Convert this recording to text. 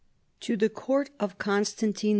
To the court of Constantine V.